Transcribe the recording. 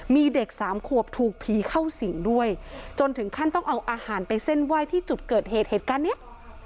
มีเด็กสามขวบถูกผีเข้าสิงด้วยจนถึงขั้นต้องเอาอาหารไปเส้นไหว้ที่จุดเกิดเหตุเหตุการณ์เนี้ย